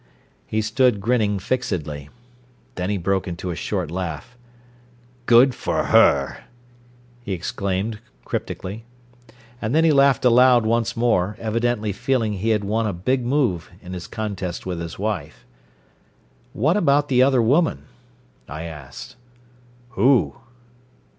He stood grinning fixedly. Then he broke into a short laugh. "Good for her!" he exclaimed cryptically. And then he laughed aloud once more, evidently feeling he had won a big move in his contest with his wife. "What about the other woman?" I asked. "Who?"